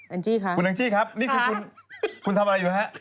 จี้ค่ะคุณแองจี้ครับนี่คือคุณทำอะไรอยู่ฮะ